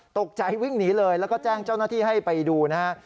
ตกใจวิ่งหนีเลยแล้วก็แจ้งเจ้าหน้าที่ให้ไปดูนะฮะ